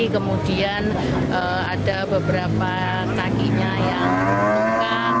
kemudian ada beberapa kakinya yang luka